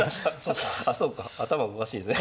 あそうか頭おかしいね。